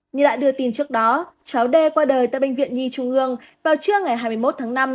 như đã đưa tin trước đó cháu đê qua đời tại bệnh viện nhi trung ương vào trưa ngày hai mươi một tháng năm